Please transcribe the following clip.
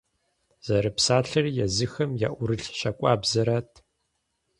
Зэрызэпсалъэри езыхэм яӀурылъ щакӀуэбзэрат.